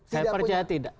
saya percaya tidak